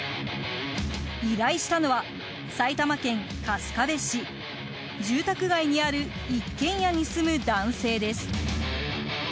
依頼したのは埼玉県春日部市住宅街にある一軒家に住む男性です。